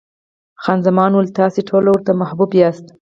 خان زمان وویل، تاسې ټوله ورته محبوب یاست.